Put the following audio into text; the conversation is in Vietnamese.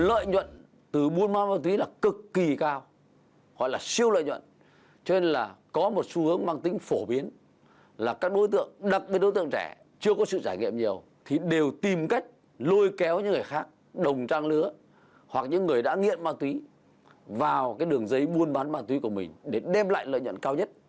các đối tượng nghiện cao hoặc là siêu lợi nhuận cho nên là có một xu hướng mang tính phổ biến là các đối tượng đặc biệt đối tượng trẻ chưa có sự trải nghiệm nhiều thì đều tìm cách lôi kéo những người khác đồng trang lứa hoặc những người đã nghiện ma túy vào cái đường giấy buôn bán ma túy của mình để đem lại lợi nhuận cao nhất